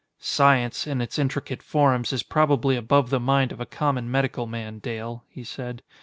"Science, in its intricate forms, is probably above the mind of a common medical man, Dale," he said.